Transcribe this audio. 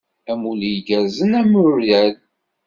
Amulli igerrzen a Muirel!